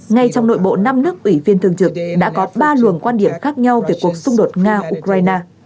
ngay trong nội bộ năm nước ủy viên thường trực đã có ba luồng quan điểm khác nhau về cuộc xung đột nga ukraine